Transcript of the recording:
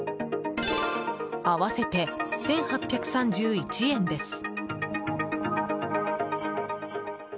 合わせて１８３１円です。